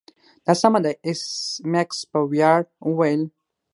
دا سمه ده ایس میکس په ویاړ وویل